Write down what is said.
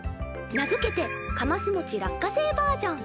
名付けて「かますもち落花生バージョン」。